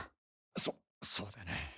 そそうだな。